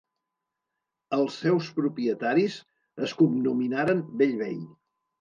Els seus propietaris es cognominaren Bellvei.